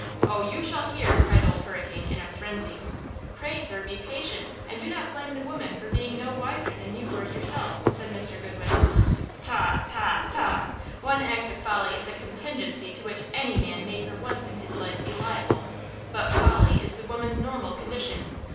Oh, you shall hear!" cried Old Hurricane, in a frenzy. "Pray, sir, be patient and do not blame the women for being no wiser than you were yourself," said Mr. Goodwin. "Tah! tah! tah! One act of folly is a contingency to which any man may for once in his life be liable; but folly is the women's normal condition!